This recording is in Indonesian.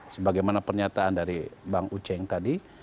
sebagaimana pernyataan dari bang uceng tadi